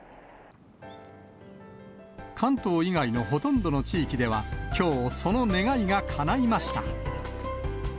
関東以外のほとんどの地域では、きょうその願いがかないました。